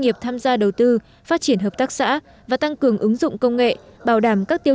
nghiệp tham gia đầu tư phát triển hợp tác xã và tăng cường ứng dụng công nghệ bảo đảm các tiêu